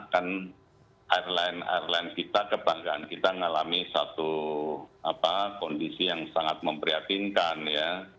kan airline airline kita kebanggaan kita mengalami satu kondisi yang sangat memprihatinkan ya